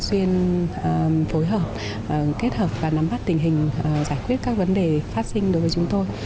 xuyên phối hợp kết hợp và nắm bắt tình hình giải quyết các vấn đề phát sinh đối với chúng tôi